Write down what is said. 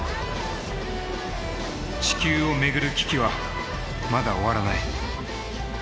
地球を巡る危機はまだ終わらない。